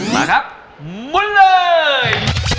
มาครับหมุนเลย